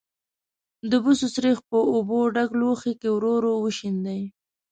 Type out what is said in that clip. د بوسو سريښ په اوبو ډک لوښي کې ورو ورو وشیندئ.